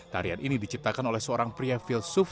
tarian ini diciptakan oleh seorang pria filsuf